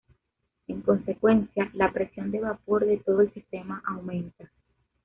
En consecuencia, la presión de vapor de todo el sistema aumenta.